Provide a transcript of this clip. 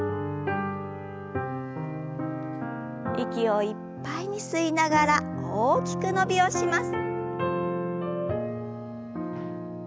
息をいっぱいに吸いながら大きく伸びをします。